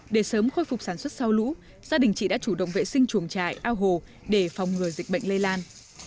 để sớm khôi phục sản xuất sau lũ gia đình chị đã chủ động vệ sinh chuồng trại ao hồ để phòng ngừa dịch bệnh lây lan